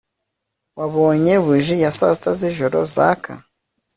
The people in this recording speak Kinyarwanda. Wabonye buji ya saa sita zijoro zaka